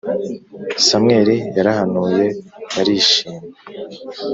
samweli yarahanuye barishima